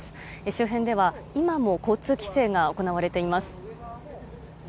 周辺では今も交通規制が行われています。